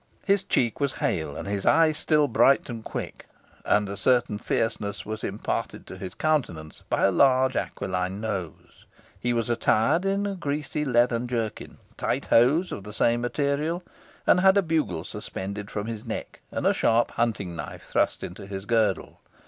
His cheek was hale, and his eye still bright and quick, and a certain fierceness was imparted to his countenance by a large aquiline nose. He was attired in a greasy leathern jerkin, tight hose of the same material, and had a bugle suspended from his neck, and a sharp hunting knife thrust into his girdle.